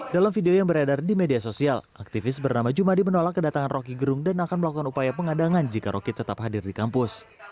dalam video yang beredar di media sosial aktivis bernama jumadi menolak kedatangan roky gerung dan akan melakukan upaya pengadangan jika roky tetap hadir di kampus